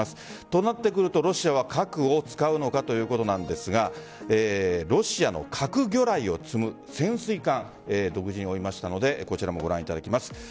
となってくるとロシアは核を使うのかということなんですがロシアの核魚雷を積む潜水艦独自に追いましたのでこちらもご覧いただきます。